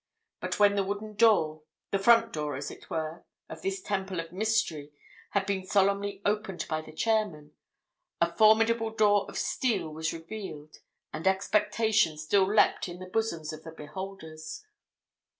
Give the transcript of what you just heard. But when the wooden door—the front door, as it were, of this temple of mystery, had been solemnly opened by the chairman, a formidable door of steel was revealed, and expectation still leapt in the bosoms of the beholders.